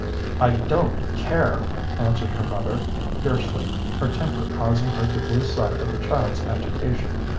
"I don't care," answered her mother, fiercely, her temper causing her to lose sight of the child's agitation.